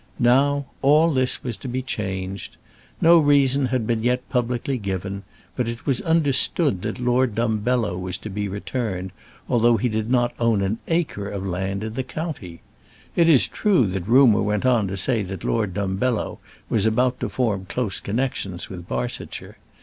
Now all this was to be changed. No reason had as yet been publicly given, but it was understood that Lord Dumbello was to be returned, although he did not own an acre of land in the county. It is true that rumour went on to say that Lord Dumbello was about to form close connections with Barsetshire.